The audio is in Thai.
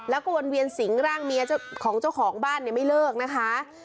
แล้วก็วนเวียนสิงร่างเมียของเจ้าของบ้านไม่เลิกนะคะ